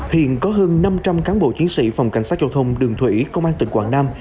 hiện có hơn năm trăm linh cán bộ chiến sĩ phòng cảnh sát giao thông đường thủy công an tỉnh quảng nam